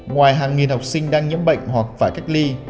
ngoài hàng nghìn học sinh đang nhiễm bệnh hoặc phải cách ly